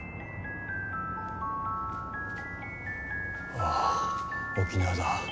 わあ沖縄だ。